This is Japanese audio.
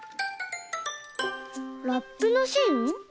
ラップのしん？